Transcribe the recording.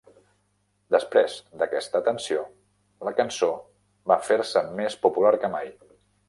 Després d'aquesta atenció, la cançó va fer-se més popular que mai.